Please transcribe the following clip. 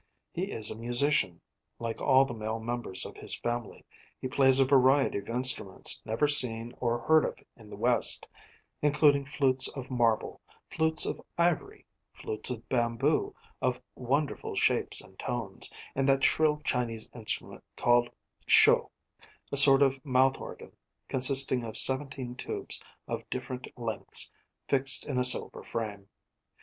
He is a musician, like all the male members of his family. He plays a variety of instruments never seen or heard of in the West, including flutes of marble, flutes of ivory, flutes of bamboo of wonderful shapes and tones, and that shrill Chinese instrument called sho a sort of mouth organ consisting of seventeen tubes of different lengths fixed in a silver frame.